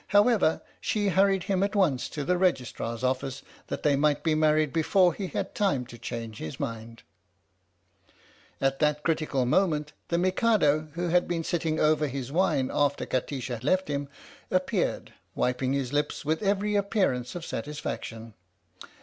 However, she hurried him at once to the Registrar's office that they might be married before he had time to change his mind. 112 THE STORY OF THE MIKADO At that critical moment the Mikado, who had been sitting over his wine after Kati sha left him, appeared, wiping his lips with every appearance of satisfaction.